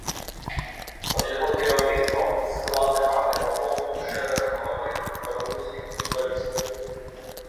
Пад яго кіраўніцтвам склад каманды папоўніў шэраг маладых бабруйскіх футбалістаў.